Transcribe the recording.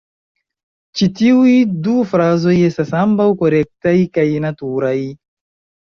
Ĉi tiuj du frazoj estas ambaŭ korektaj kaj naturaj.